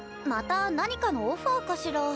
また何かのオファーかしら？